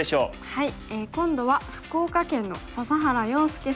はい。